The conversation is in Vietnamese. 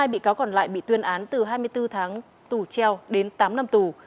một mươi bị cáo còn lại bị tuyên án từ hai mươi bốn tháng tù treo đến tám năm tù